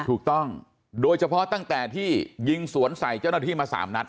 ถูกต้องโดยเฉพาะตั้งแต่ที่ยิงสวนใส่เจ้าหน้าที่มา๓นัด